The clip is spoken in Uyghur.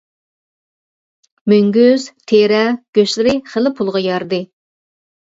مۈڭگۈز، تېرە، گۆشلىرى خېلى پۇلغا يارىدى.